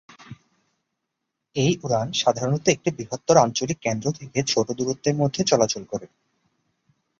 এই উড়ান সাধারণত একটি বৃহত্তর আঞ্চলিক কেন্দ্র থেকে ছোটো দূরত্বের মধ্যে চলাচল করে।